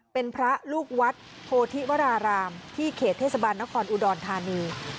เป็นพระลูกวัดโพธิวรารามที่เขตเทศบาลนครอุดรธานี